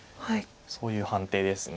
そういう判定です。